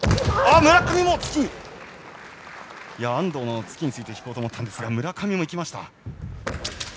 安藤の突きについていこうと思ったんですが村上もいきました。